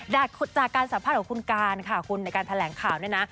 จากการสัมภาษณ์ของคุณการค่ะคุณในการแถลงข่าวเนี่ยนะ